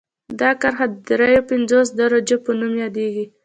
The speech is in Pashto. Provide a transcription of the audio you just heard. دا کرښه د دري پنځوس درجو په نوم یادیږي